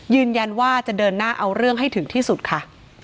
ยืนยันว่าจะเดินหน้าเอาเรื่องให้ถึงที่สุดค่ะ